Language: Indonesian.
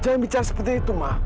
jangan bicara seperti itu ma